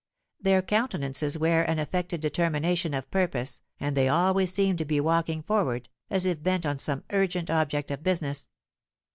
Their countenances wear an affected determination of purpose, and they always seem to be walking forward, as if bent on some urgent object of business.